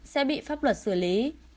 sẽ bị pháp luật xử lý